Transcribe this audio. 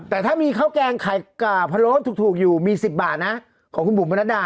แต่ถ้ามีข้าวแกงไข่พะโล้ถูกอยู่มี๑๐บาทนะของคุณบุ๋มประนัดดา